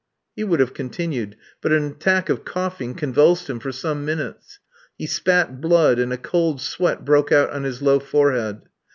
He would have continued, but an attack of coughing convulsed him for some minutes. He spat blood, and a cold sweat broke out on his low forehead.